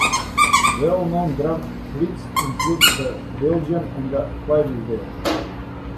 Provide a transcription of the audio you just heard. Well-known draft breeds include the Belgian and the Clydesdale.